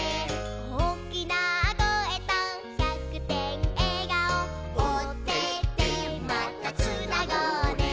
「おおきなこえと１００てんえがお」「オテテまたつなごうね」